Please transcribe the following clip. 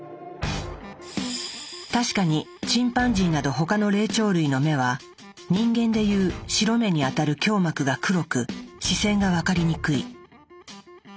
確かにチンパンジーなど他の霊長類の目は人間で言う白目にあたる強膜が黒く視線が分かりにくい。